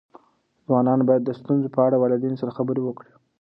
ځوانان باید د ستونزو په اړه له والدینو سره خبرې وکړي.